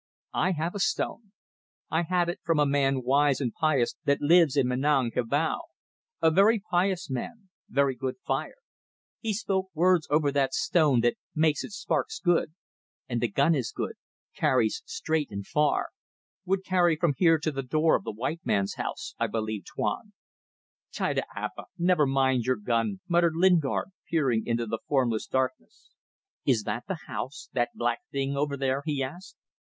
"I have a stone. I had it from a man wise and pious that lives in Menang Kabau. A very pious man very good fire. He spoke words over that stone that make its sparks good. And the gun is good carries straight and far. Would carry from here to the door of the white man's house, I believe, Tuan." "Tida apa. Never mind your gun," muttered Lingard, peering into the formless darkness. "Is that the house that black thing over there?" he asked.